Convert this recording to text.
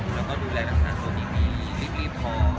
แล้วดูแลลักษณะเพราะทีมีรีบพอ